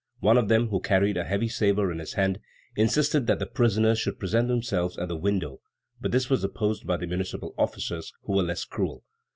One of them, who carried a heavy sabre in his hand, insisted that the prisoners should present themselves at the window, but this was opposed by the municipal officers, who were less cruel.